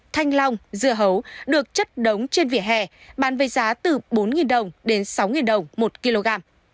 thanh long dưa hấu được chất đóng trên vỉa hè bán với giá từ bốn đồng đến sáu đồng một kg